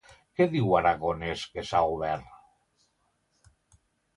Què diu Aragonès que s'ha obert?